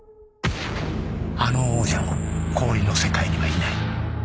あの王者も氷の世界にはいない。